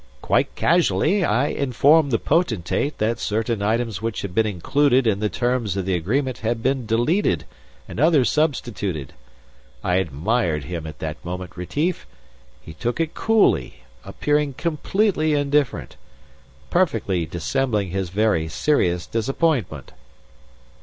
"Quite casually, I informed the Potentate that certain items which had been included in the terms of the agreement had been deleted and others substituted. I admired him at that moment, Retief. He took it coolly appearing completely indifferent perfectly dissembling his very serious disappointment."